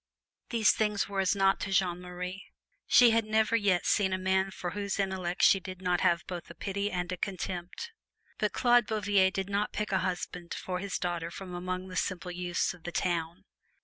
These things were as naught to Jeanne Marie. She had never yet seen a man for whose intellect she did not have both a pity and a contempt. But Claude Bouvier did not pick a husband for his daughter from among the simple youths of the town.